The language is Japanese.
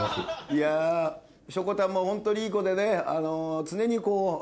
いやしょこたんもホントにいい子でね。